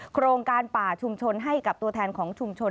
โครงการป่าชุมชนให้กับตัวแทนของชุมชน